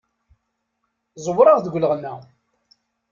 Ẓewreɣ deg leɣna.